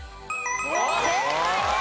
正解です。